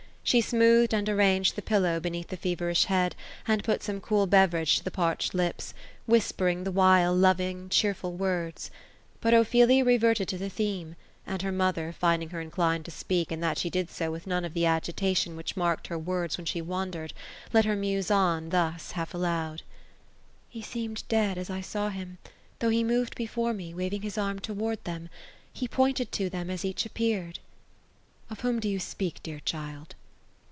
She smoothed and arranged the pil low beneath the feverish head ; she put some cool beverage to the parch ed lips, whispering the while, loving, cheerful words. But Ophelia re verted to the theme ; and her mother, finding her inclined to speak, and that she did so with none of the agitation which marked her words when she wandered, let her muse on, thus, half aloud. '^ He seemed dead, as I saw him — though he moved before me, wa ring bis arm toward them. He poiiited to them, as each appeared." ^ Of whom do yon speak, dear child